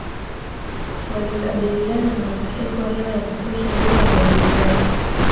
Walikabiliana na ukosefu wa hewa ya kutosha giza na baridi kali